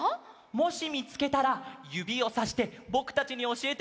もしみつけたらゆびをさしてぼくたちにおしえてくれるかな？